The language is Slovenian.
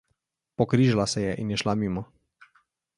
Pokrižala se je in je šla mimo.